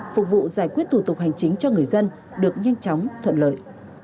phục vụ giải quyết thủ tục hành chính cho người dân được nhanh chóng thuận lợi